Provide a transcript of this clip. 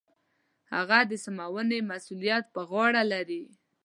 هغه د سمونې مسوولیت په غاړه لري.